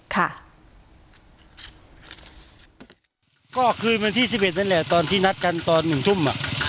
ก็คืนวันที่๑๑นั่นแหละตอนที่นัดกันตอน๑ทุ่ม